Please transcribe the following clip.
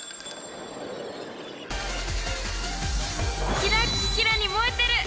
キラッキラに燃えてる！